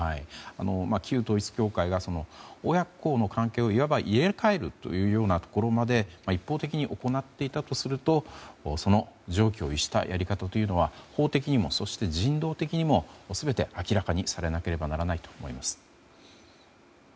旧統一教会が親子の関係をいわば入れ替えるというところまで一方的に行っていたとするとその常軌を逸したやり方は法的にも人道的にも全て明らかにされねばならないと思います。